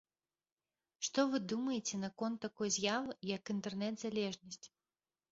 Што вы думаеце наконт такой з'явы, як інтэрнет-залежнасць?